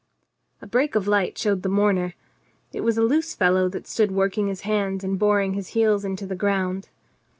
..." A break of light showed the mourner. It was a loose fellow that stood working his hands and boring his heels into the ground.